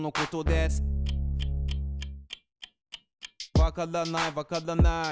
わからないわからない。